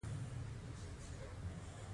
ګټه اخیستونکي ترې ښه ګټه واخلي.